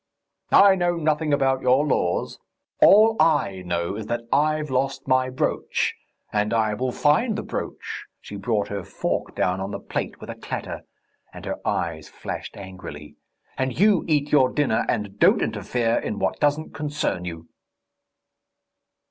"I know nothing about your laws. All I know is that I've lost my brooch. And I will find the brooch!" She brought her fork down on the plate with a clatter, and her eyes flashed angrily. "And you eat your dinner, and don't interfere in what doesn't concern you!"